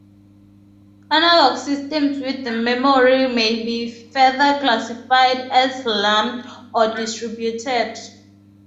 Analog systems with memory may be further classified as "lumped" or "distributed".